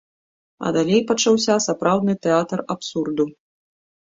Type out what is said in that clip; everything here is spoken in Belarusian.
А далей пачаўся сапраўдны тэатр абсурду.